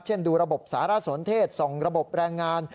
ดูระบบสารสนเทศส่องระบบแรงงาน